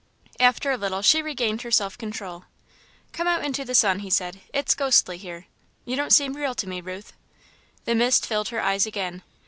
After a little, she regained her self control. "Come out into the sun," he said, "it's ghostly here. You don't seem real to me, Ruth." The mist filled her eyes again.